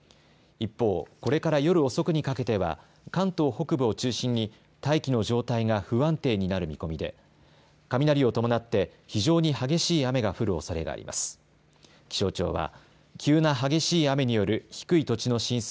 一方、これから夜遅くにかけては関東北部を中心に大気の状態が不安定になる見込みで雷を伴って非常に激しい雨が降るおそれがあります。